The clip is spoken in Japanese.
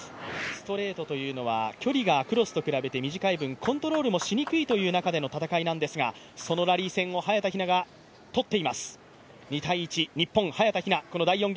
ストレートというのは距離がクロスと比べてしにくい分コントロールもしにくいということなんですがそのラリー戦を早田ひなが取っています。